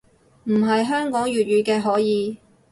唔係香港粵語嘅可以